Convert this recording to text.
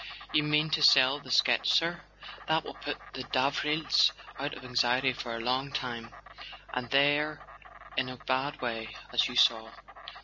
"You mean to sell the sketch, sir? That will put the Davrils out of anxiety for a long time; and they're in a bad way, as you saw."